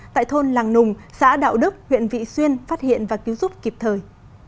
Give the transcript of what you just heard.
tại thôn làng nùng xã đạo đức huyện vị xuyên phát hiện và cứu giúp kịp thời